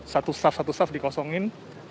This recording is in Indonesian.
satu saf satu saf dikosongin